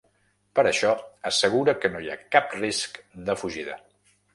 Per això, assegura que no hi ha cap risc de fugida.